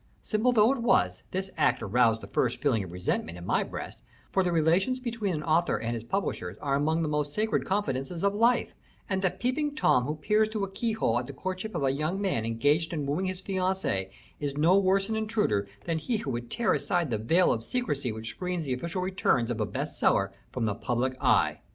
Simple though it was, this act aroused the first feeling of resentment in my breast, for the relations between the author and his publishers are among the most sacred confidences of life, and the peeping Tom who peers through a keyhole at the courtship of a young man engaged in wooing his fiancée is no worse an intruder than he who would tear aside the veil of secrecy which screens the official returns of a "best seller" from the public eye.